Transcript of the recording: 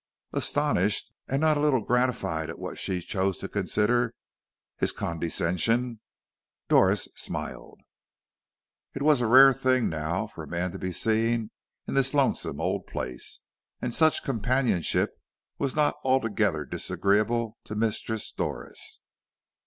Astonished, and not a little gratified at what she chose to consider his condescension, Doris smiled. It was a rare thing now for a man to be seen in this lonesome old place, and such companionship was not altogether disagreeable to Mistress Doris.